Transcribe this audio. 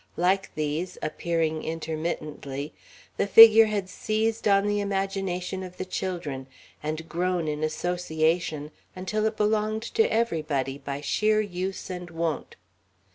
Like these, appearing intermittently, the figure had seized on the imagination of the children and grown in association until it belonged to everybody, by sheer use and wont.